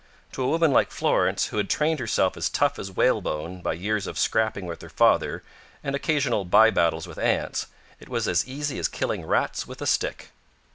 To a woman like Florence, who had trained herself as tough as whalebone by years of scrapping with her father and occasional by battles with aunts, it was as easy as killing rats with a stick.